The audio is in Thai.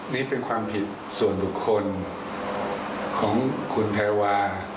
นี่เป็นความผิดส่วนบุคคลของคุณแพรวา